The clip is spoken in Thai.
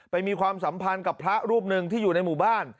มีความสัมพันธ์กับพระรูปหนึ่งที่อยู่ในหมู่บ้าน